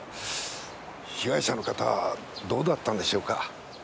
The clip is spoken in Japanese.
被害者の方はどうだったんでしょうか。